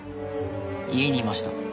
家にいました。